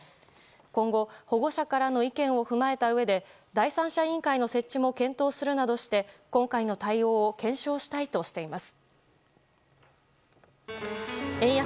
今後、保護者からの意見を踏まえたうえで第三者委員会の設置も検討するなどして今回の対応を検証したいとしています。